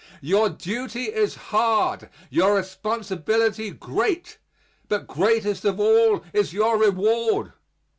Your duty is hard, your responsibility great; but greatest of all is your reward.